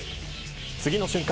次の瞬間